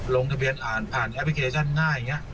ลงทะเบียนอ่านผ่านแอปพลิเคชันง่าย